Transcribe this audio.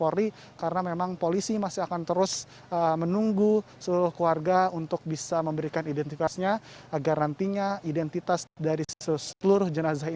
oke terima kasih